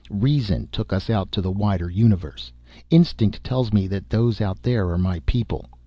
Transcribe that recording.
Reason took us out to the wider universe. Instinct tells me that those out there are my people.